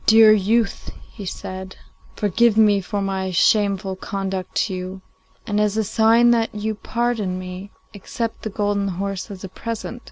'Dear youth,' he said, 'forgive me for my shameful conduct to you, and, as a sign that you pardon me, accept the golden horse as a present.